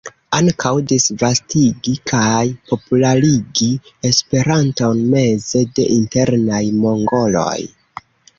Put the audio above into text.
Ankaŭ disvastigi kaj popularigi Esperanton meze de internaj mongoloj.